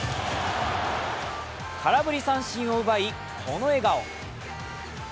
空振り三振を奪い、この笑顔。